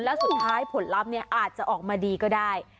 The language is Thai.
แล้วสุดท้ายผลลัพธ์เนี่ยอาจจะออกมาดีก็ได้